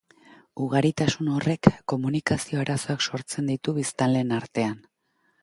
Ugaritasun horrek komunikazio arazoak sortzen ditu biztanleen artean.